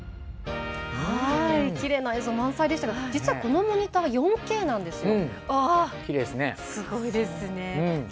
きれいな映像満載でしたが実は、このモニター４Ｋなんですよ。